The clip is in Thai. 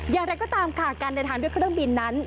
อย่างไรก็ตามค่ะการเดินทางด้วยเครื่องบินนั้น